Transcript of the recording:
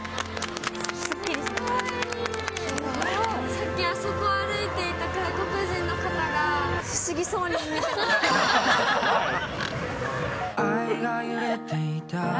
さっき、あそこ歩いていた外国人の方が、不思議そうに見てました。